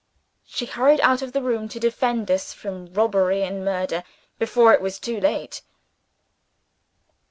She hurried out of the room to defend us from robbery and murder, before it was too late.